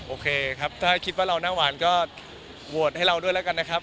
โอเคครับถ้าคิดว่าเราหน้าหวานก็โหวตให้เราด้วยแล้วกันนะครับ